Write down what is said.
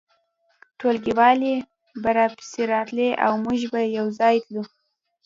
ټولګیوالې به راپسې راتلې او موږ به یو ځای تلو